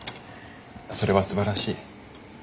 それはすばらしい。